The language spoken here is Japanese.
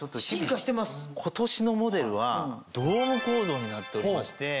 今年のモデルはドーム構造になっておりまして。